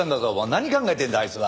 何考えてんだあいつは。